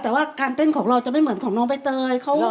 แต่ว่าการเต้นของเราจะไม่เหมือนของน้องใบเตย